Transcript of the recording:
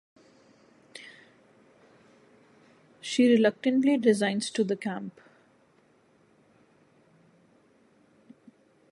She reluctantly resigns to the camp.